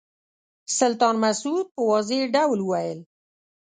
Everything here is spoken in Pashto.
سلطان مسعود په واضح ډول وویل.